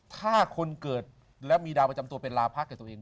ถ้าคนเกิดแล้วมีดาวประจำตัวเป็นลาพักกับตัวเอง